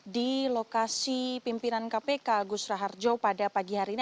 di lokasi pimpinan kpk agus raharjo pada pagi hari ini